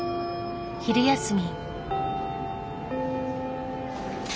昼休み。